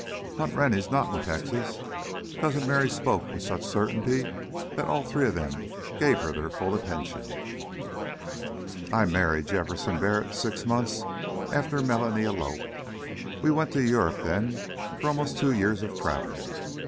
"Hunt Rennie's not in Texas." Cousin Merry spoke with such certainty that all three of them gave her their full attention. "I married Jefferson Barrett six months after Melanie eloped. We went to Europe then for almost two years of traveling.